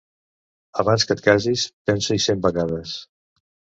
Abans que et casis, pensa-hi cent vegades.